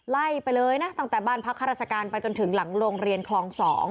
ไล่ไปเลยนะตั้งแต่บ้านพักข้าราชการไปจนถึงหลังโรงเรียนคลอง๒